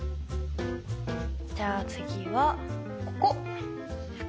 じゃあ次はここ！